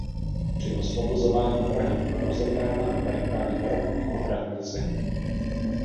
Při osvobozování Prahy byla rozebrána na barikády barokní ohradní zeď.